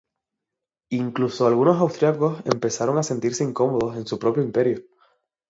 Incluso algunos austriacos empezaron a sentirse incómodos en su propio Imperio.